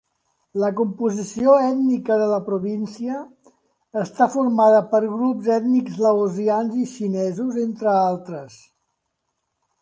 La composició ètnica de la província està formada per grups ètnics laosians i xinesos entre altres.